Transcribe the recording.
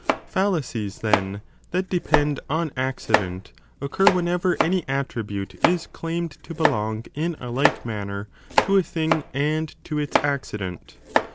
Fallacies, then, that depend on Accident occur whenever 5 any attribute is claimed to belong in a like manner to a 3o thing and to its accident.